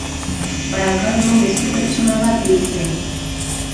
Barakaldon beste pertsona bat hil zen.